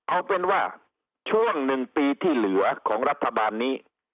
เอาเป็นว่าช่วง๑ปีที่เหลือของรัฐบาลนี้